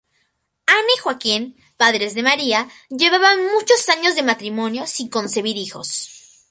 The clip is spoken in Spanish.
Ana y Joaquín, padres de María, llevaban muchos años de matrimonio sin concebir hijos.